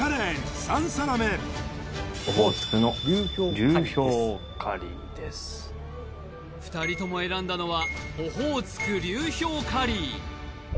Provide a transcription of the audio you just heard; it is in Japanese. サントリー２人とも選んだのはオホーツク流氷カリー